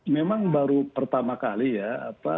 memang baru pertama kali ya